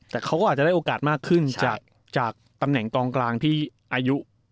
แต่เขาก็อาจจะได้โอกาสมากขึ้นจากตำแหน่งกองกลางที่อายุ